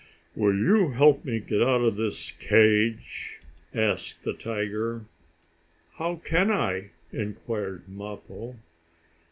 "Will you help me out of this cage?" asked the tiger. "How can I?" inquired Mappo.